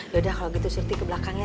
yaudah kalau gitu surti ke belakang ya